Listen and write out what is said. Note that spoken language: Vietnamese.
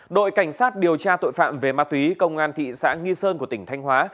đội cảnh sát điều tra tội phạm về ma túy công an thị xã nghi sơn của tỉnh thanh hóa